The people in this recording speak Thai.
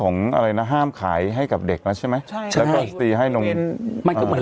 อะไรนะห้ามขายให้กับเด็กแล้วใช่ไหมใช่ใช่แล้วก็สตีให้นมมันก็เหมือน